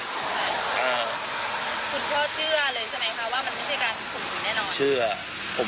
คุณพ่อเชื่อเลยใช่ไหมคะว่ามันไม่ใช่การถึงผลแน่นอน